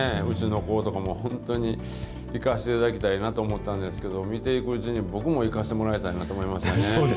うちの子とかも、本当に行かしていただきたいなと思ったんですけど、見ていくうちに、僕も行かせてもらいたいなと思いましたね。